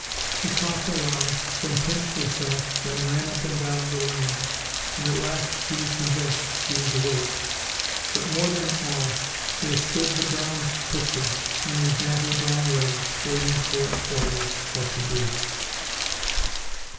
She coughed aloud, then pinched herself, then ran up and down the lane, and at last she was convinced she was awake. But more than all, there stood the brown pitcher on his natty brown legs, waiting for orders what to do.